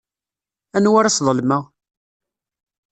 Anwa ara sḍelmeɣ?